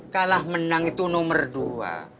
kalah menang itu nomor dua